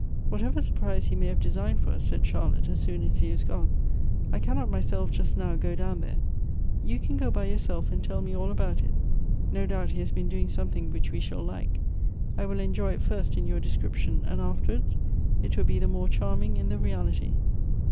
"Whatever surprise he may have designed for us," said Charlotte, as soon as he was gone, " I cannot myself just now go down there. You can goby yourself, 'and tell me all about it. No doubt he has been doing some thing which we shall like. I will enjoy it first in your description, and afterwards it will be the more charming in the reality."